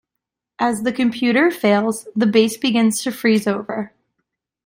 As the computer fails, the base begins to freeze over.